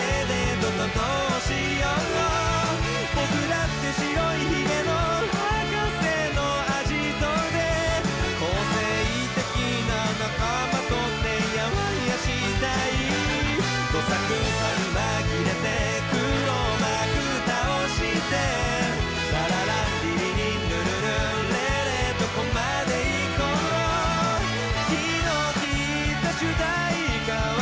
どどどうしよう僕だって白い髭の博士のアジトで個性的な仲間とてんやわんやしたいどさくさに紛れて黒幕倒してララランリリリンルルルンレレどこまで行こう気の利いた主題歌はいらないさ